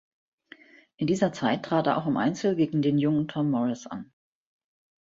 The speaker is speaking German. In dieser Zeit trat er auch im Einzel gegen den jungen Tom Morris an.